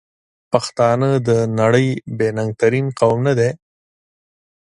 پښتانه د نړۍ بې ننګ ترین قوم ندی؟!